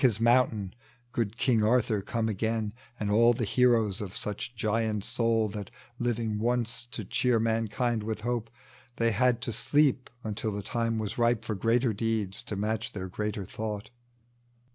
His moimtaiii, good King Arthur come again, And all the heroes of such giant aoul That, living once to cheer mankind with hope, They had to sleep until the time was ripe For greater deeds to naatch their greater thought.